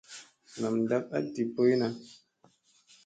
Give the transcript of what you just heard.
Nam ndak a di boyna.